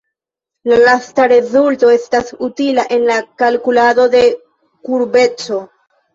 La lasta rezulto estas utila en la kalkulado de kurbeco.